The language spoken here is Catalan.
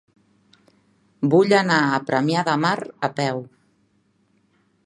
Vull anar a Premià de Mar a peu.